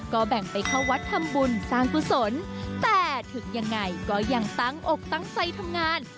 ก็แบ่งไปเข้าวัดทำบุญสร้างกุศลแต่ถึงยังไงก็ยังตั้งอกตั้งใจทำงาน